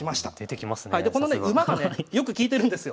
でこのね馬がねよく利いてるんですよ。